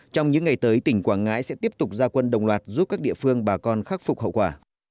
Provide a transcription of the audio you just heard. trong những ngày tới tỉnh quảng ngãi sẽ tiếp tục gia quân đồng loạt giúp các địa phương bà con khắc phục hậu quả